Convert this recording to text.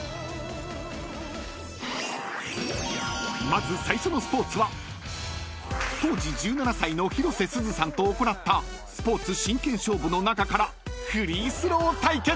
［まず最初のスポーツは当時１７歳の広瀬すずさんと行ったスポーツ真剣勝負の中からフリースロー対決］